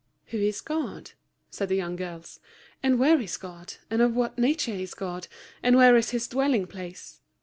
"Who is God?" said the young girls, "and where is God, and of what nature is God, and where is His dwelling place?